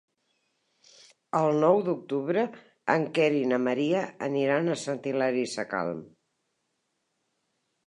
El nou d'octubre en Quer i na Maria aniran a Sant Hilari Sacalm.